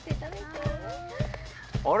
あれ？